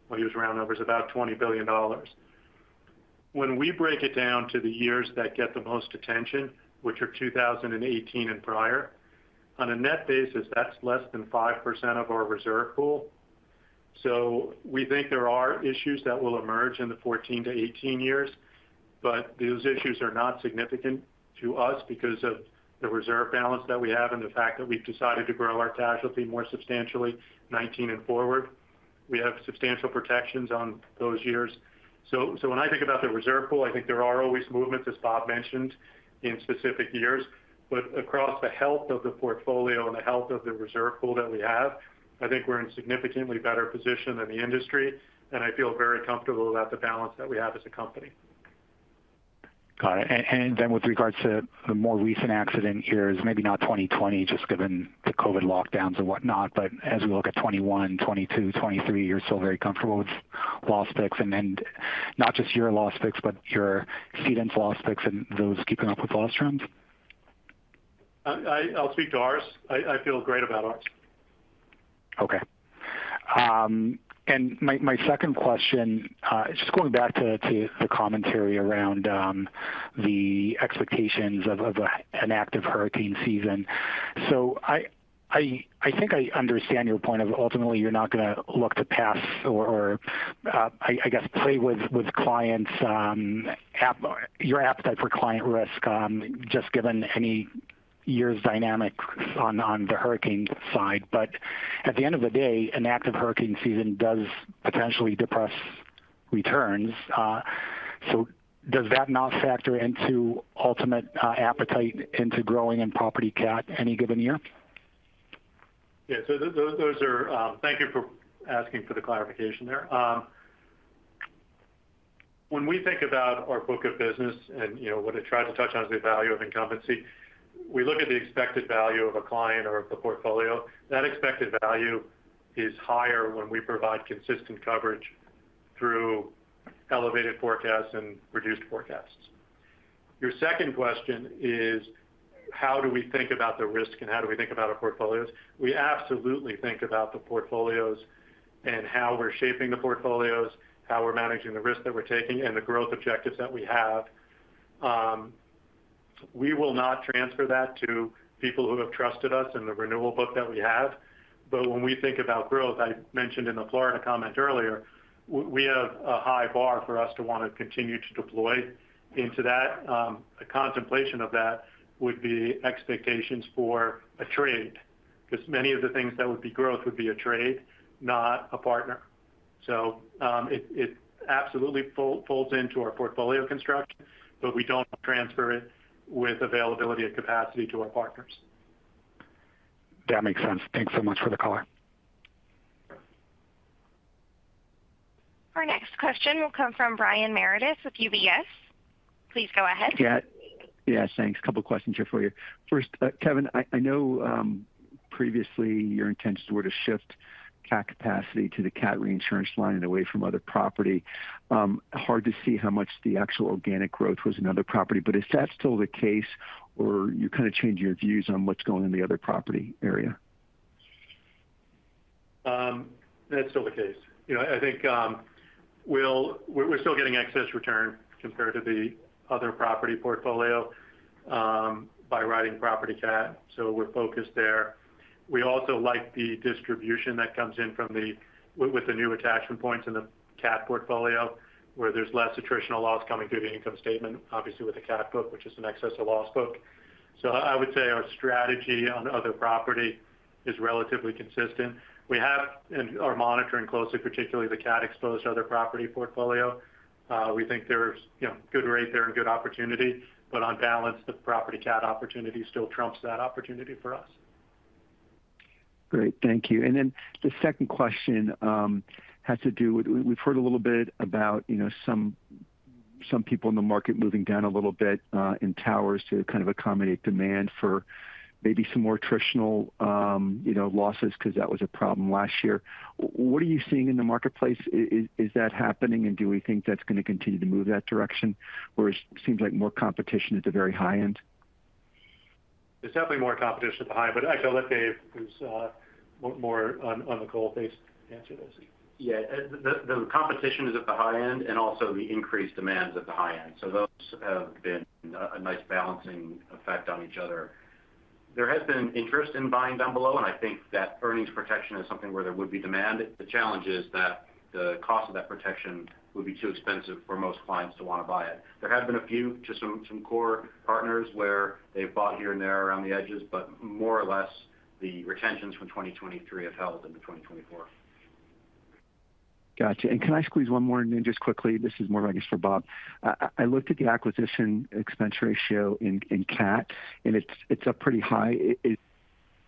Speaker 3: well, here's round numbers, about $20 billion. When we break it down to the years that get the most attention, which are 2018 and prior, on a net basis, that's less than 5% of our reserve pool. So we think there are issues that will emerge in the 2014 to 2018 years, but those issues are not significant to us because of the reserve balance that we have and the fact that we've decided to grow our casualty more substantially 2019 and forward. We have substantial protections on those years. So when I think about the reserve pool, I think there are always movements, as Bob mentioned, in specific years. But across the health of the portfolio and the health of the reserve pool that we have, I think we're in significantly better position than the industry. And I feel very comfortable about the balance that we have as a company.
Speaker 10: Got it. And then with regards to the more recent accident years, maybe not 2020 just given the COVID lockdowns and whatnot, but as we look at 2021, 2022, 2023, you're still very comfortable with loss picks? And not just your loss picks, but your cedants loss picks and those keeping up with loss trends?
Speaker 3: I'll speak to ours. I feel great about ours.
Speaker 10: Okay. And my second question, just going back to the commentary around the expectations of an active hurricane season. So I think I understand your point of ultimately, you're not going to look to pass or, I guess, play with clients your appetite for client risk just given any year's dynamics on the hurricane side. But at the end of the day, an active hurricane season does potentially depress returns. So does that not factor into ultimate appetite into growing in property cat any given year?
Speaker 3: Yeah. So those are thank you for asking for the clarification there. When we think about our book of business and what I tried to touch on is the value of incumbency. We look at the expected value of a client or of the portfolio. That expected value is higher when we provide consistent coverage through elevated forecasts and reduced forecasts. Your second question is, how do we think about the risk, and how do we think about our portfolios? We absolutely think about the portfolios and how we're shaping the portfolios, how we're managing the risk that we're taking, and the growth objectives that we have. We will not transfer that to people who have trusted us and the renewal book that we have. When we think about growth, I mentioned in the Florida comment earlier, we have a high bar for us to want to continue to deploy into that. A contemplation of that would be expectations for a trade because many of the things that would be growth would be a trade, not a partner. It absolutely folds into our portfolio construction, but we don't transfer it with availability of capacity to our partners.
Speaker 10: That makes sense. Thanks so much for the call.
Speaker 1: Our next question will come from Brian Meredith with UBS. Please go ahead.
Speaker 11: Yeah. Thanks. A couple of questions here for you. First, Kevin, I know previously, your intentions were to shift cat capacity to the cat reinsurance line and away from other property. Hard to see how much the actual organic growth was in other property. But is that still the case, or you kind of changed your views on what's going in the other property area?
Speaker 3: That's still the case. I think we're still getting excess return compared to the other property portfolio by writing property cat. So we're focused there. We also like the distribution that comes in with the new attachment points in the cat portfolio where there's less attritional loss coming through the income statement, obviously, with the cat book, which is an excess of loss book. So I would say our strategy on other property is relatively consistent. We have and are monitoring closely, particularly the cat-exposed other property portfolio. We think there's good rate there and good opportunity. But on balance, the property cat opportunity still trumps that opportunity for us.
Speaker 11: Great. Thank you. And then the second question has to do with we've heard a little bit about some people in the market moving down a little bit in towers to kind of accommodate demand for maybe some more attritional losses because that was a problem last year. What are you seeing in the marketplace? Is that happening, and do we think that's going to continue to move that direction where it seems like more competition is at the very high end?
Speaker 3: There's definitely more competition at the high end. But actually, I'll let Dave, who's more on the coal face, answer this.
Speaker 6: Yeah. The competition is at the high end and also the increased demand is at the high end. So those have been a nice balancing effect on each other. There has been interest in buying down below, and I think that earnings protection is something where there would be demand. The challenge is that the cost of that protection would be too expensive for most clients to want to buy it. There have been a few, just some core partners, where they've bought here and there around the edges, but more or less, the retentions from 2023 have held into 2024.
Speaker 11: Gotcha. And can I squeeze one more and then just quickly? This is more, I guess, for Bob. I looked at the acquisition expense ratio in cat, and it's up pretty high. Is it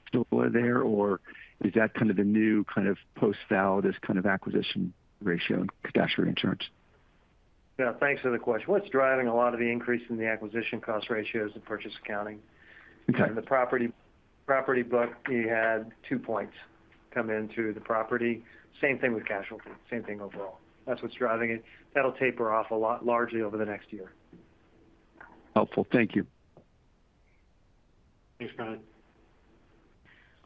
Speaker 11: still there there, or is that kind of the new kind of post-Validus kind of acquisition ratio in cat reinsurance?
Speaker 4: Yeah. Thanks for the question. What's driving a lot of the increase in the acquisition cost ratios in purchase accounting? In the property book, you had 2 points come into the property. Same thing with casualty. Same thing overall. That's what's driving it. That'll taper off largely over the next year.
Speaker 11: Helpful. Thank you.
Speaker 3: Thanks, Brian.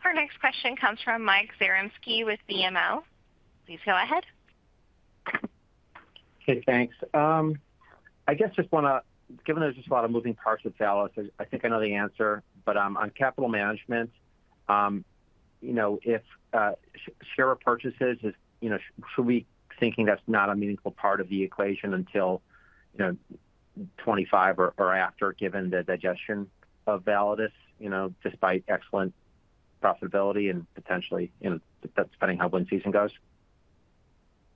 Speaker 1: Our next question comes from Mike Zaremski with BMO. Please go ahead.
Speaker 12: Hey. Thanks. I guess just want to given there's just a lot of moving parts at Validus, I think I know the answer. But on capital management, if share repurchases, should we be thinking that's not a meaningful part of the equation until 2025 or after given the digestion of Validus despite excellent profitability and potentially depending how wind season goes?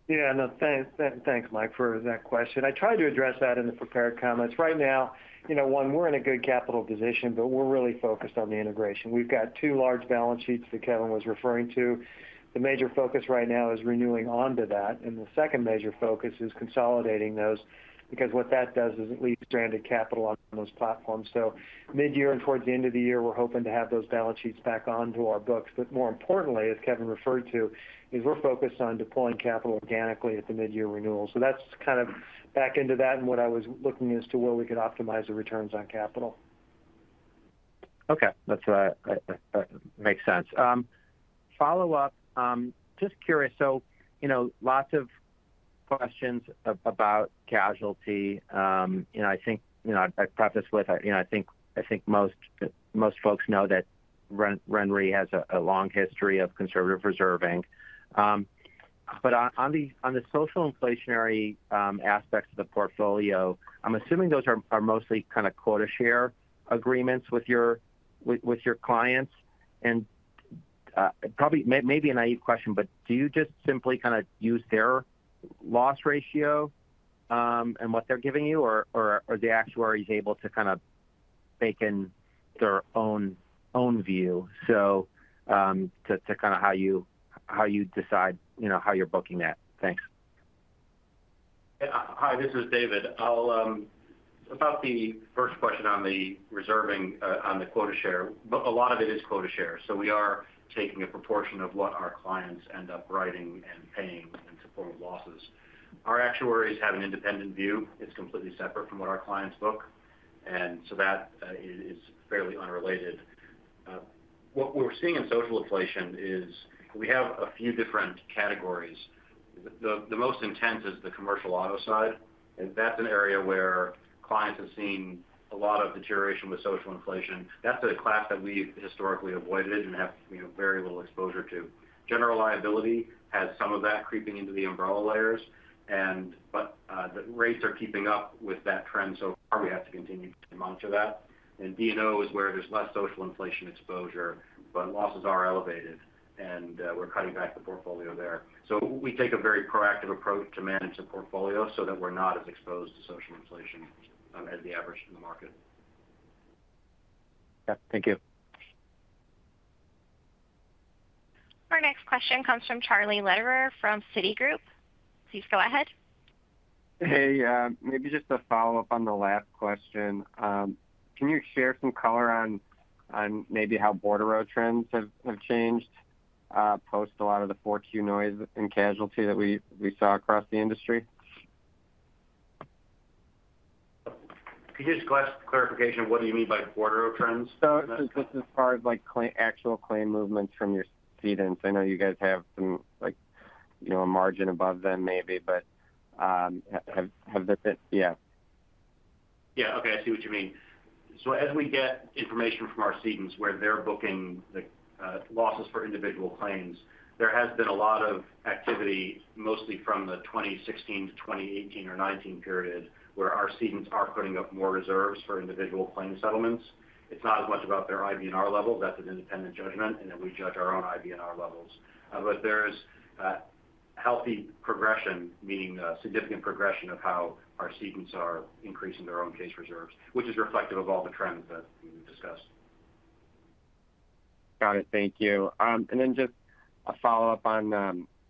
Speaker 4: Yeah. No. Thanks, Mike, for that question. I tried to address that in the prepared comments. Right now, one, we're in a good capital position, but we're really focused on the integration. We've got two large balance sheets that Kevin was referring to. The major focus right now is renewing onto that. And the second major focus is consolidating those because what that does is it leaves stranded capital on those platforms. So midyear and towards the end of the year, we're hoping to have those balance sheets back onto our books. But more importantly, as Kevin referred to, is we're focused on deploying capital organically at the midyear renewal. So that's kind of back into that and what I was looking as to where we could optimize the returns on capital.
Speaker 12: Okay. That makes sense. Follow up, just curious. So lots of questions about casualty. I think I preface with I think most folks know that RenRe has a long history of conservative reserving. But on the social inflationary aspects of the portfolio, I'm assuming those are mostly kind of quota-share agreements with your clients. And maybe a naive question, but do you just simply kind of use their loss ratio and what they're giving you, or are the actuaries able to kind of bake in their own view to kind of how you decide how you're booking that? Thanks.
Speaker 6: Hi. This is David. About the first question on the quota-share, a lot of it is quota-share. So we are taking a proportion of what our clients end up writing and paying in support of losses. Our actuaries have an independent view. It's completely separate from what our clients book. And so that is fairly unrelated. What we're seeing in social inflation is we have a few different categories. The most intense is the commercial auto side. And that's an area where clients have seen a lot of deterioration with social inflation. That's a class that we've historically avoided and have very little exposure to. General liability has some of that creeping into the umbrella layers. But the rates are keeping up with that trend so far. We have to continue to monitor that. D&O is where there's less social inflation exposure, but losses are elevated, and we're cutting back the portfolio there. We take a very proactive approach to manage the portfolio so that we're not as exposed to social inflation as the average in the market.
Speaker 12: Yeah. Thank you.
Speaker 1: Our next question comes from Charlie Lederer from Citigroup. Please go ahead.
Speaker 13: Hey. Maybe just a follow-up on the last question. Can you share some color on maybe how bodily injury trends have changed post a lot of the 4Q noise in casualty that we saw across the industry?
Speaker 6: Can you just clarification? What do you mean by bordereau trends?
Speaker 13: So this is as far as actual claim movements from your cedants. I know you guys have a margin above them maybe, but have there been yeah.
Speaker 6: Yeah. Okay. I see what you mean. So as we get information from our cedants where they're booking the losses for individual claims, there has been a lot of activity mostly from the 2016 to 2018 or 2019 period where our cedants are putting up more reserves for individual claim settlements. It's not as much about their IBNR levels. That's an independent judgment, and then we judge our own IBNR levels. But there is healthy progression, meaning significant progression of how our cedants are increasing their own case reserves, which is reflective of all the trends that we've discussed.
Speaker 13: Got it. Thank you. And then just a follow-up on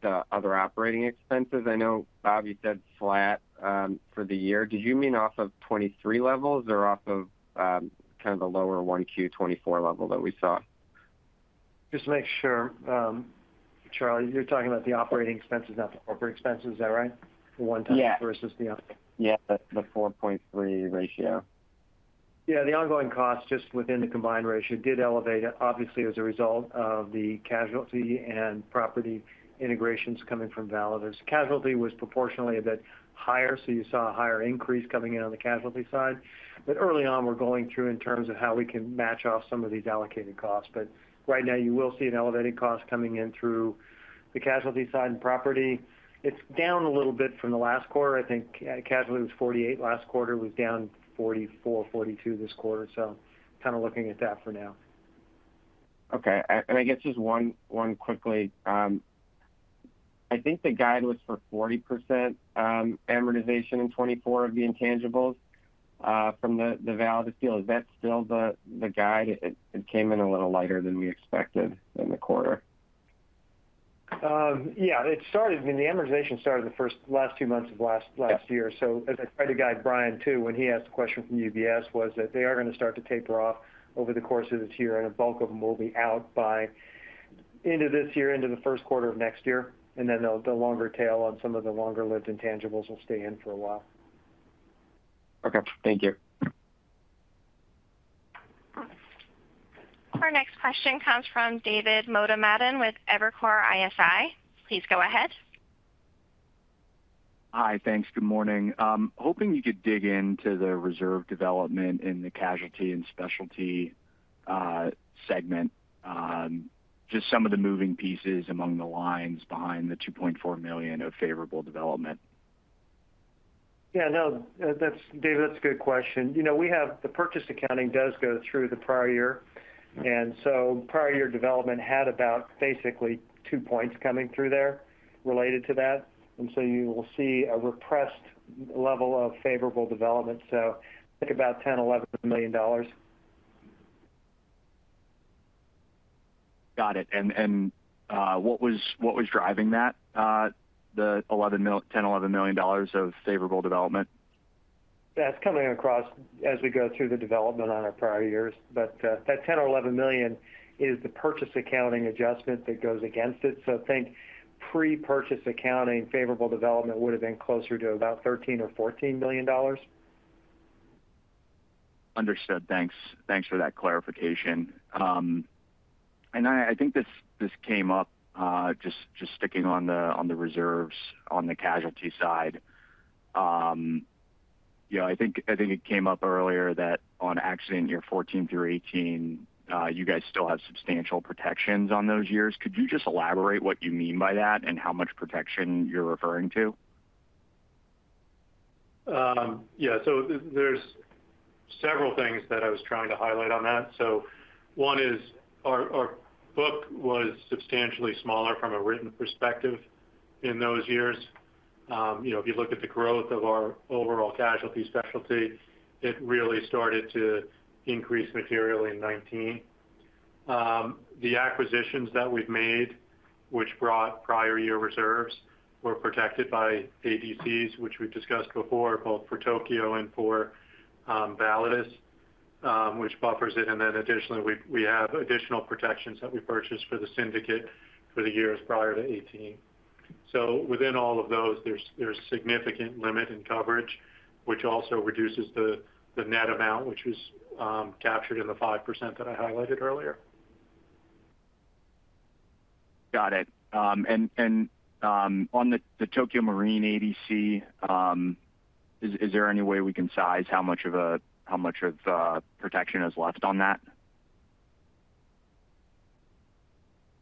Speaker 13: the other operating expenses. I know, Bob, you said flat for the year. Did you mean off of 2023 levels or off of kind of the lower 1Q24 level that we saw?
Speaker 4: Just to make sure, Charlie, you're talking about the operating expenses, not the corporate expenses. Is that right? The one-time versus the.
Speaker 13: Yeah. Yeah. The 4.3 ratio.
Speaker 4: Yeah. The ongoing costs just within the combined ratio did elevate, obviously, as a result of the casualty and property integrations coming from Validus. Casualty was proportionally a bit higher, so you saw a higher increase coming in on the casualty side. But early on, we're going through in terms of how we can match off some of these allocated costs. But right now, you will see an elevated cost coming in through the casualty side and property. It's down a little bit from the last quarter. I think casualty was 48 last quarter. It was down 44, 42 this quarter. So kind of looking at that for now.
Speaker 13: Okay. And I guess just one quickly. I think the guide was for 40% amortization in 2024 of the intangibles from the Validus deal. Is that still the guide? It came in a little lighter than we expected in the quarter.
Speaker 4: Yeah. I mean, the amortization started the last two months of last year. So as I tried to guide Brian too, when he asked a question from UBS, was that they are going to start to taper off over the course of this year, and a bulk of them will be out by end of this year, end of the first quarter of next year. And then the longer tail on some of the longer-lived intangibles will stay in for a while.
Speaker 13: Okay. Thank you.
Speaker 1: Our next question comes from David Motemaden with Evercore ISI. Please go ahead.
Speaker 14: Hi. Thanks. Good morning. Hoping you could dig into the reserve development in the casualty and specialty segment, just some of the moving pieces among the lines behind the $2.4 million of favorable development?
Speaker 4: Yeah. No. David, that's a good question. The purchase accounting does go through the prior year. And so prior-year development had about basically 2 points coming through there related to that. And so you will see a depressed level of favorable development. So think about $10 million-$11 million.
Speaker 14: Got it. What was driving that, the $10 million-$11 million of favorable development?
Speaker 4: Yeah. It's coming across as we go through the development on our prior years. But that $10-$11 million is the purchase accounting adjustment that goes against it. So I think pre-purchase accounting, favorable development would have been closer to about $13-$14 million.
Speaker 14: Understood. Thanks for that clarification. I think this came up just sticking on the reserves on the casualty side. I think it came up earlier that on accident year 2014 through 2018, you guys still have substantial protections on those years. Could you just elaborate what you mean by that and how much protection you're referring to?
Speaker 3: Yeah. So there's several things that I was trying to highlight on that. So one is our book was substantially smaller from a written perspective in those years. If you look at the growth of our overall casualty specialty, it really started to increase materially in 2019. The acquisitions that we've made, which brought prior-year reserves, were protected by ADCs, which we've discussed before, both for Tokio and for Validus, which buffers it. And then additionally, we have additional protections that we purchased for the syndicate for the years prior to 2018. So within all of those, there's significant limit in coverage, which also reduces the net amount, which was captured in the 5% that I highlighted earlier.
Speaker 14: Got it. And on the Tokio Marine ADC, is there any way we can size how much of a protection is left on that?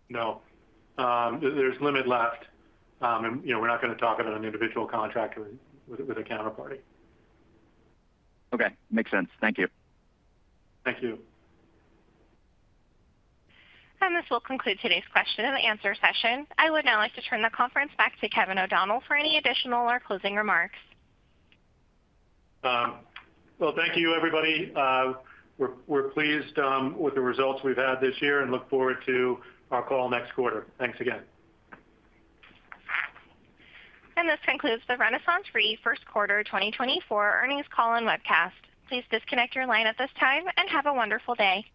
Speaker 3: No. There's limit left. We're not going to talk about an individual contract with a counterparty.
Speaker 14: Okay. Makes sense. Thank you.
Speaker 3: Thank you.
Speaker 1: This will conclude today's question and answer session. I would now like to turn the conference back to Kevin O'Donnell for any additional or closing remarks.
Speaker 3: Well, thank you, everybody. We're pleased with the results we've had this year and look forward to our call next quarter. Thanks again.
Speaker 1: This concludes the RenaissanceRe first quarter 2024 earnings call and webcast. Please disconnect your line at this time and have a wonderful day.